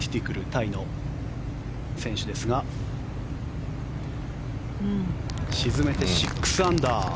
タイの選手ですが沈めて６アンダー。